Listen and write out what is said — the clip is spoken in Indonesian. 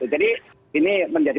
jadi ini menjadi